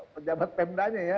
pejabat pendanya ya